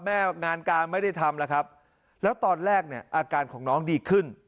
งานการไม่ได้ทำแล้วครับแล้วตอนแรกเนี่ยอาการของน้องดีขึ้น